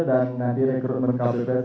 dan nanti rekrutmen kpps